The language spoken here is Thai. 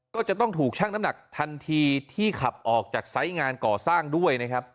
ก็จะต้องถูกชั่งน้ำหนักทันทีที่ขับออกจากไซส์งานก่อสร้างด้วยนะครับ